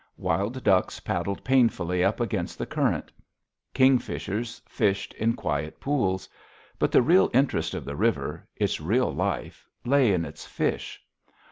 Wild ducks paddled painfully up against the current. Kingfishers fished in quiet pools. But the real interest of the river, its real life, lay in its fish.